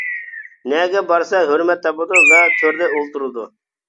نەگە بارسا ھۆرمەت تاپىدۇ ۋە تۆردە ئولتۇرىدۇ.